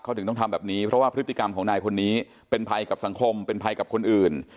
เขาถึงต้องทำแบบนี้เพราะว่าพฤติกรรมของนายคนนี้เป็นภัยกับสังคมเป็นภัยกับคนอื่น